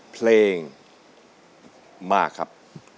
เพลงมาครับ